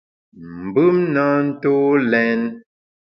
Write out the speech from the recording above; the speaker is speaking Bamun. Mbùm na ntô lèn.